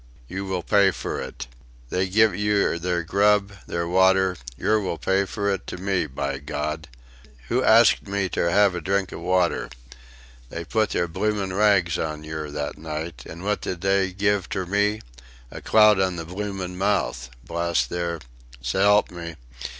You will pay fur it. They giv' yer their grub, their water yer will pay fur it to me, by Gawd! Who axed me ter 'ave a drink of water? They put their bloomin' rags on yer that night, an' what did they giv' ter me a clout on the bloomin' mouth blast their... S'elp me!...